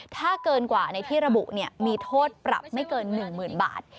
ถ้าเกินกว่าในที่ระบุมีโทษปรับไม่เกินหนึ่งหมื่นบาท